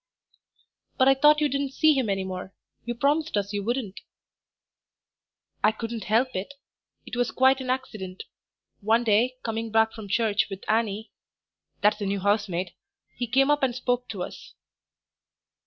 "But I thought you didn't see him any more; you promised us you wouldn't." "I couldn't help it.... It was quite an accident. One day, coming back from church with Annie that's the new housemaid he came up and spoke to us."